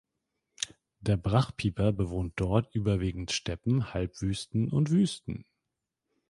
Der Brachpieper bewohnt dort überwiegend Steppen, Halbwüsten und Wüsten.